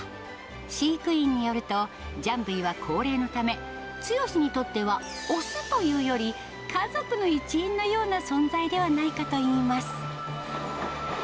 飼育員によると、ジャンブイは高齢のため、ツヨシにとっては雄というより家族の一員のような存在ではないかといいます。